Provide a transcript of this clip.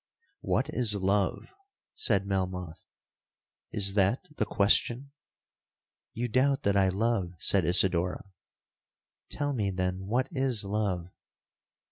'—'What is love?' said Melmoth; 'is that the question?'—'You doubt that I love,' said Isidora—'tell me, then, what is love?'